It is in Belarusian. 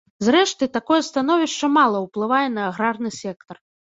Зрэшты, такое становішча мала ўплывае на аграрны сектар.